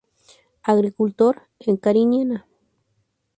Agricultor en Cariñena.